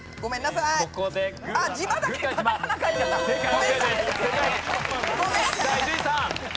さあ伊集院さん。